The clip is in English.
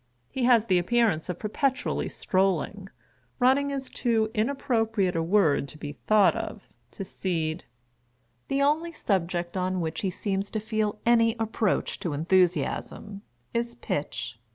He has the appearance of perpetually strolling — running is too inap propriate a word to be thought of — to seed. The only subject on which he seems to feel any approach to enthusiasm, is pitch.